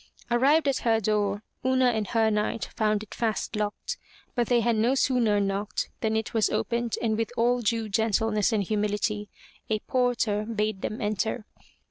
Arrived at her door, Una and her knight found it fast locked, but they had no sooner knocked than it was opened and with all due gentleness and humility a porter bade them enter.